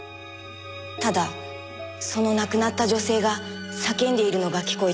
ただその亡くなった女性が叫んでいるのが聞こえてきて。